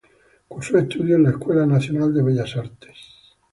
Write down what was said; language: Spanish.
Cursó estudios en la Escuela Nacional de Bellas Artes.